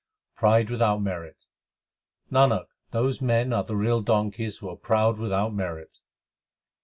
Pride without merit : Nanak, those men are the real donkeys who are proud without merit.